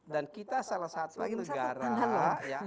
dan kita salah satu negara